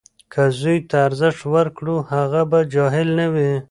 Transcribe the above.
که زوی ته ارزښت ورکړو، هغه به جاهل نه وي.